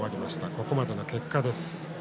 ここまでの結果です。